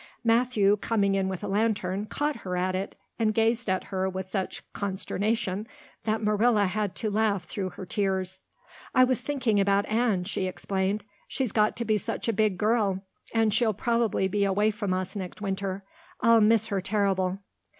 Matthew, coming in with a lantern, caught her at it and gazed at her in such consternation that Marilla had to laugh through her tears. "I was thinking about Anne," she explained. "She's got to be such a big girl and she'll probably be away from us next winter. I'll miss her terrible."